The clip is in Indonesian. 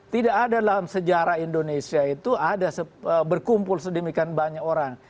tidak ada dalam sejarah indonesia itu ada berkumpul sedemikian banyak orang